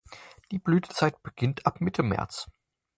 Die Blütezeit beginnt ab Mitte März.